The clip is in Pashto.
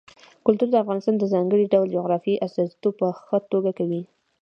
کلتور د افغانستان د ځانګړي ډول جغرافیې استازیتوب په ښه توګه کوي.